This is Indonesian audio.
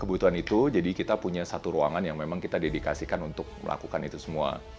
kebutuhan itu jadi kita punya satu ruangan yang memang kita dedikasikan untuk melakukan itu semua